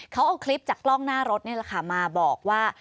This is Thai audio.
เขาเอาคลิปจากกล้องหน้ารถนี่แหละค่ะมาบอกว่า